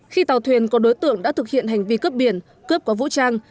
khi tàu thuyền có đối tượng đã thực hiện hành vi cướp biển cướp có vũ trang